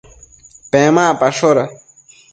Pemacpashoda